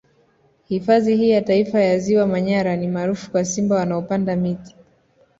Hifadhi hii ya Taifa ya Ziwa Manyara ni maarufu kwa Simba wanaopanda miti